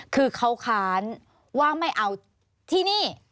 คือเขาค้านว่าไม่เอาที่นี่